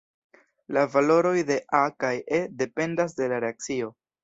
La valoroj de "A" kaj "E" dependas de la reakcio.